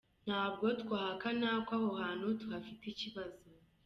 Ntabwo twahakana ko aho hantu tuhafite ikibazo.